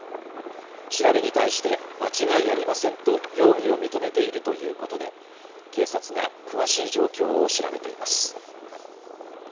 調べに対して間違いありませんと容疑を認めているということで警察が詳しい状況を調べています。